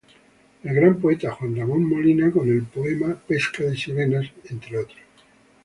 El gran poeta Juan Ramón Molina con el Poema "Pesca de Sirenas"entre otros.